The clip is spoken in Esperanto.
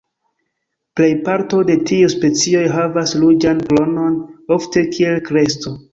Plej parto de tiuj specioj havas ruĝan kronon, ofte kiel kresto.